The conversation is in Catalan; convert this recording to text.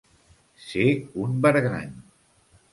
Ser un bergant.